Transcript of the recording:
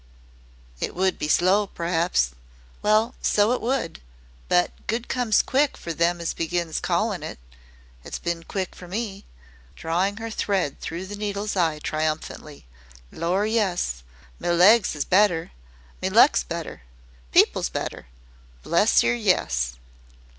"It would be slow p'raps. Well, so it would but good comes quick for them as begins callin' it. It's been quick for ME," drawing her thread through the needle's eye triumphantly. "Lor', yes, me legs is better me luck's better people's better. Bless yer, yes!"